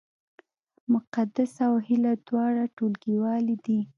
مقدسه او هیله دواړه ټولګیوالې دي